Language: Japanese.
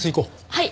はい！